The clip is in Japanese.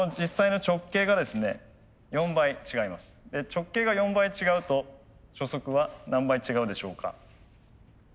直径が４倍違うと初速は何倍違うでしょうか？